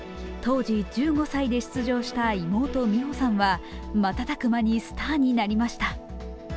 当時１５歳で出場した妹・美帆さんは瞬く間にスターになりました。